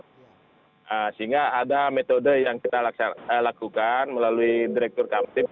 sehingga ada metode yang kita lakukan melalui direktur kamtip